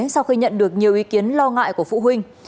sau khi nhận được nhiều ý kiến lo ngại của phụ huynh